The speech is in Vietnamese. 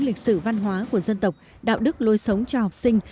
lịch sử văn hóa của dân tộc đạo đức lôi sống cho học sinh